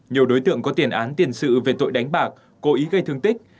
nhiều đối tượng có tiền án tiền sự về tội đánh bạc cố ý gây thương tích